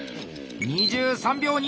２３秒２３！